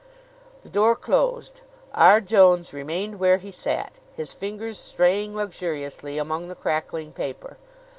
The door closed. R. Jones remained where he sat, his fingers straying luxuriously among the crackling paper.